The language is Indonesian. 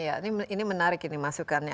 ya ini menarik ini masukannya